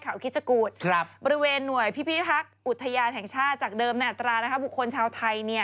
ถ้าเป็นผู้ใหญ่๑๐บาท